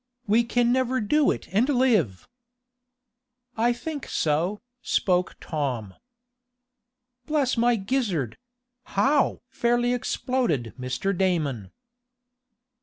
"We can never do it and live!" "I think so," spoke Tom. "Bless my gizzard! How?" fairly exploded Mr. Damon.